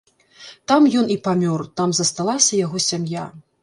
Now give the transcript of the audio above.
Там ён і памёр, там засталася яго сям'я.